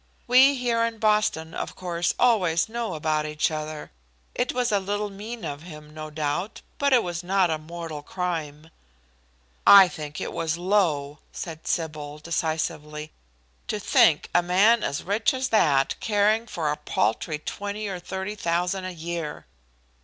We here in Boston, of course, always know about each other. It was a little mean of him, no doubt, but it was not a mortal crime." "I think it was low," said Sybil, decisively. "To think of a man as rich as that caring for a paltry twenty or thirty thousand a year."